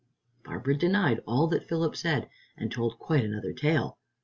Barbara denied all that Philip said, and told quite another tale.